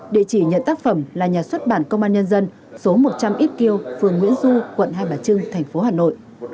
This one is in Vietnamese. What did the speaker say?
địa chỉ nhận tác phẩm là nhà xuất bản công an nhân dân số một trăm linh ít kiêu phường nguyễn du quận hai bà trưng thành phố hà nội